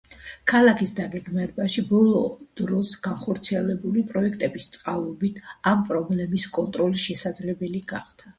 ქალაქის დაგეგმარებაში ბოლო დროს განხორციელებული პროექტების წყალობით, ამ პრობლემების კონტროლი შესაძლებელი გახდა.